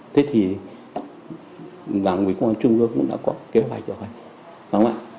thế thì đảng ủy công an trung ương cũng đã có kế hoạch rồi đúng không ạ